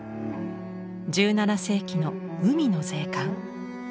１７世紀の「海の税関」。